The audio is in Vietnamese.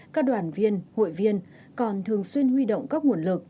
các đoàn viên hội viên còn thường xuyên huy động các nguồn lực